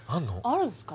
あるんすか？